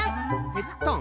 ペッタン？